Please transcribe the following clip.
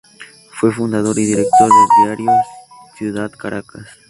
Fue fundador y director del diario "Ciudad Caracas".